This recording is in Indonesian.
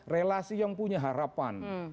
relasi yang punya harapan